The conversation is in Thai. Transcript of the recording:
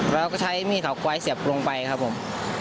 แล้วก็ใช้มีดเถาก๊วยเสียบลงไปครับผม